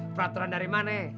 peraturan dari mana